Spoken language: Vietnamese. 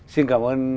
xin cảm ơn hai nhà báo